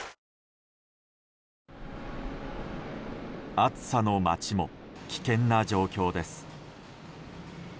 暑さの町も危険な状況です。